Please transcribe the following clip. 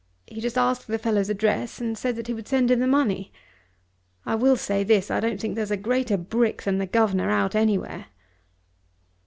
He just asked the fellow's address and said that he would send him the money. I will say this; I don't think there's a greater brick than the governor out anywhere.